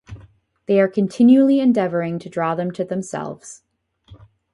They are continually endeavoring to draw them to themselves.